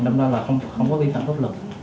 đồng đó là không có vi phạm pháp luật